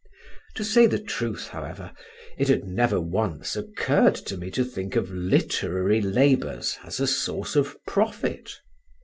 To say the truth, however, it had never once occurred to me to think of literary labours as a source of profit.